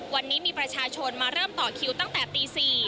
วันนี้มีประชาชนมาเริ่มต่อคิวตั้งแต่ตี๔